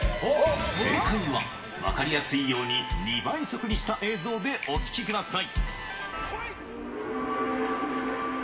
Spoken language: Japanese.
正解は、分かりやすいように２倍速にした映像でお聞きください。